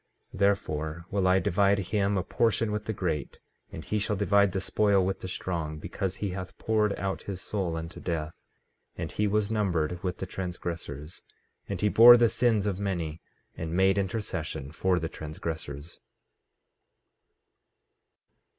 14:12 Therefore will I divide him a portion with the great, and he shall divide the spoil with the strong; because he hath poured out his soul unto death; and he was numbered with the transgressors; and he bore the sins of many, and made intercession for the transgressors.